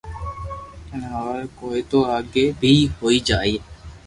جني ھواري ھوئي تو آگي بي ھوئي جائين